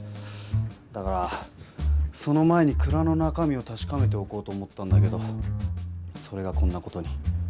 だからその前に蔵の中身をたしかめておこうと思ったんだけどそれがこんな事に。